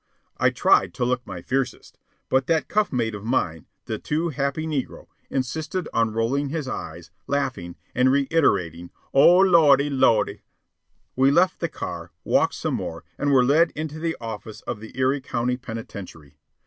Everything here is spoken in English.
I tried to look my fiercest, but that cuff mate of mine, the too happy negro, insisted on rolling his eyes, laughing, and reiterating, "O Lawdy! Lawdy!" We left the car, walked some more, and were led into the office of the Erie County Penitentiary.